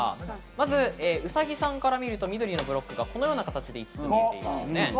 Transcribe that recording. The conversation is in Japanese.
まず、うさぎさんから見るとブロックはこのような形に見えています。